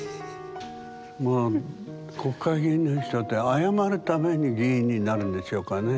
もう国会議員の人って謝るために議員になるんでしょうかね。